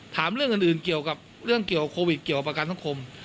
ถามเรื่องอื่นเกี่ยวกับเรื่องเกี่ยวโควิดเกี่ยวกับประกันสังคม